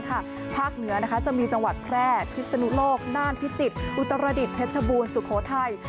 ภาคเหนือจะมีจังหวัดแพร่พิศนุโลกน่านพิจิตรอุตรดิษฐเพชรบูรณสุโขทัย